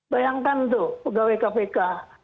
bayangkan tuh pegawai kpk